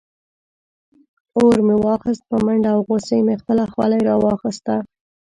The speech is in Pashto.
اور مې واخیست په منډه او غصې مې خپله خولۍ راواخیسته.